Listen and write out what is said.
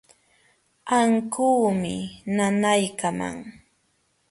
Ankuumi nanaykaman.